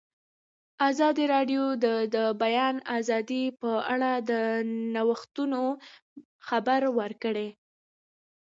ازادي راډیو د د بیان آزادي په اړه د نوښتونو خبر ورکړی.